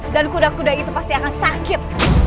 dan kuda kuda itu pasti akan sakit